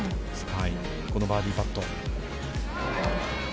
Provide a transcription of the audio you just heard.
このバーディーパット。